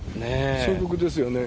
深刻ですよね。